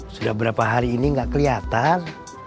sudah berapa hari ini gak keliatan